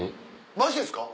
マジですか？